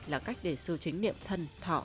là cách để sư chính niệm thân thọ